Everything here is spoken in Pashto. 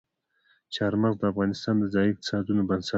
چار مغز د افغانستان د ځایي اقتصادونو بنسټ دی.